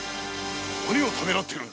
何をためらっている！